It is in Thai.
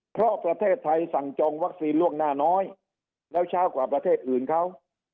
เพราะประเทศไทยสั่งจองวัคซีนล่วงหน้าน้อยแล้วเช้ากว่าประเทศอื่นเขา